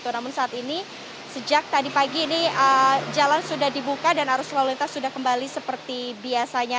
namun saat ini sejak tadi pagi ini jalan sudah dibuka dan arus lalu lintas sudah kembali seperti biasanya